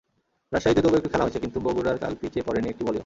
রাজশাহীতে তবু একটু খেলা হয়েছে, কিন্তু বগুড়ায় কাল পিচে পড়েনি একটি বলও।